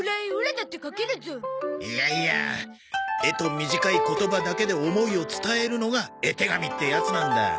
絵と短い言葉だけで思いを伝えるのが絵手紙ってやつなんだ。